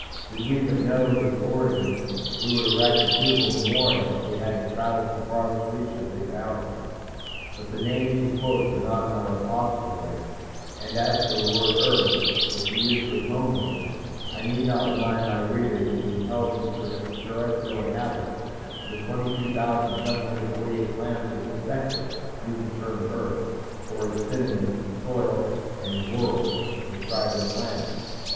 Did we but know his origin we would erect a suitable memorial if we had to travel to the farthest reach of our galaxy. But the names he quotes are not in our repositories and as for the word "Earth" which he used for his homeworld, I need not remind my readers that the intelligent terrestrial inhabitants of the 22,748 planets of this sector use the term "Earth" or its synonyms "soil" and "world" to describe their planets.